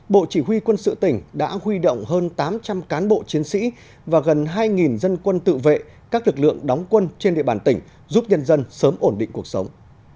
bộ chỉ huy quân sự tỉnh đã huy động hơn tám trăm linh cán bộ chiến sĩ và gần hai dân quân tự vệ các lực lượng đóng quân trên địa bàn tỉnh giúp nhân dân sớm ổn định cuộc sống